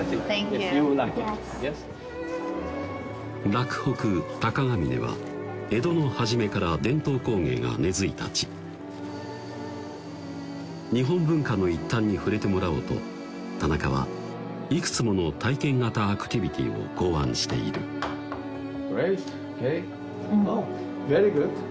洛北・鷹ヶ峰は江戸のはじめから伝統工芸が根づいた地日本文化の一端に触れてもらおうと田中はいくつもの体験型アクティビティーを考案しているグレート！